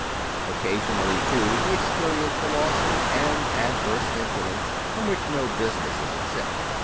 Occasionally, too, he experienced the losses and adverse incidents from which no business is exempt.